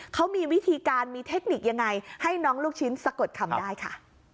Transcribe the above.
เขามีวิธีการมีเทคนิคยังไงให้น้องลูกชิ้นสะกดคำได้ค่ะ